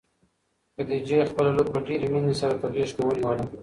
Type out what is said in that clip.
خدیجې خپله لور په ډېرې مینې سره په غېږ کې ونیوله.